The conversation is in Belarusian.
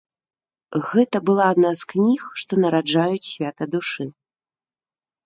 Гэта была адна з кніг, што нараджаюць свята душы.